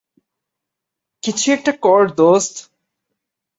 কিছু একটা কর, দোস্ত!